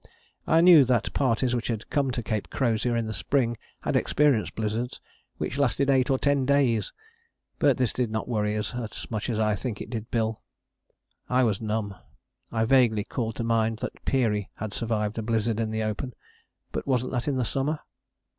I knew that parties which had come to Cape Crozier in the spring had experienced blizzards which lasted eight or ten days. But this did not worry us as much as I think it did Bill: I was numb. I vaguely called to mind that Peary had survived a blizzard in the open: but wasn't that in the summer?